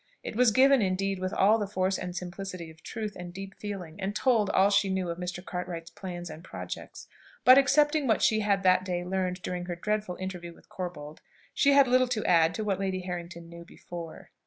It was given indeed with all the force and simplicity of truth and deep feeling, and told all she knew of Mr. Cartwright's plans and projects; but, excepting what she had that day learned during her dreadful interview with Corbold, she had little to add to what Lady Harrington knew before.